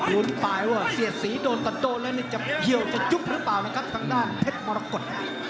ลุ้นไปว่าเสียดสีโดนตัดโดนแล้วนี่จะเขี้ยวจะยุบหรือเปล่านะครับทางด้านเพชรมรกฏ